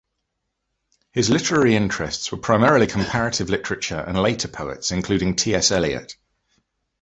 His literary interests were primarily comparative literature and later poets including T. S. Elliot.